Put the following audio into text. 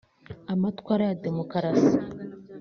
amatwara ya demokarasi